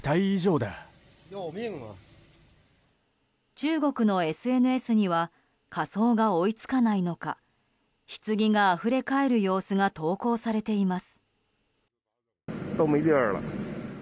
中国のＳＮＳには火葬が追い付かないのかひつぎがあふれ返る様子が投稿されています。